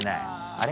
あれ？